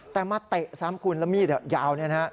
แต่มาเตะซ้ำคุณแล้วมีดยาวนะครับ